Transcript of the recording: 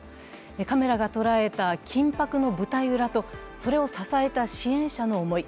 カメラが捉えた緊迫の舞台裏とそれを支えた支援者の思い。